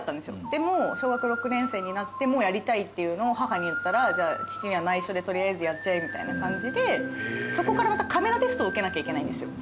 でも小学６年生になってもやりたいっていうのを母に言ったら父には内緒で取りあえずやっちゃえみたいな感じでそこからまたカメラテストを受けなきゃいけないんですよ。